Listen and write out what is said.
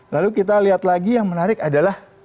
lalu kita lihat lagi yang menarik adalah